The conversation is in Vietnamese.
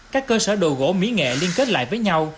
các cơ sở đồ gỗ mỹ nghệ liên kết lại với nhau